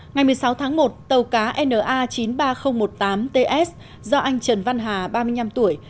ngày một mươi sáu tháng một tàu cá na chín mươi ba nghìn một mươi tám ts do anh trần văn hà ba mươi năm tuổi